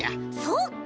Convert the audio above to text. そっか！